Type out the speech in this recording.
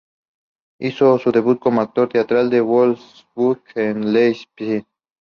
Hizo su debut como actor teatral en en el Volksbühne de Leipzig.